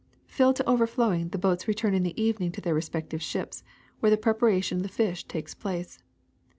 ^^ Filled to overflowing, the boats return in the eve ning to their respective ships, where the preparation of the fish takes place.